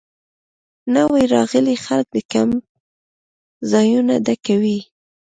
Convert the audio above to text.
نوي راغلي خلک د کیمپ ځایونه ډکوي